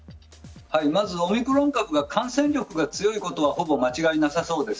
まずオミクロン株は感染力が強いことはほぼ間違いなさそうです。